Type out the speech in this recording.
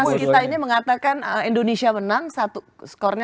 dua tim nas kita ini mengatakan indonesia menang skornya satu